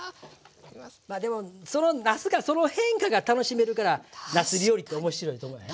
まあでもなすがその変化が楽しめるからなす料理って面白いと思わへん？